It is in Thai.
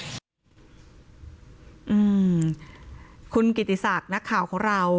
อืมคุณกิติศักดิ์นักข่าวของเรา